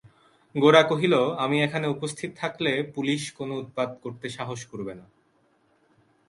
গোরা কহিল, আমি এখানে উপস্থিত থাকলে পুলিস কোনো উৎপাত করতে সাহস করবে না।